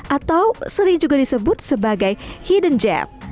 atau sering juga disebut sebagai hidden gem